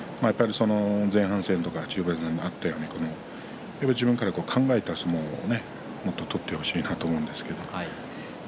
前半戦とか中盤にあったように自分で考えた相撲を取ってほしいなと思うんですけれど。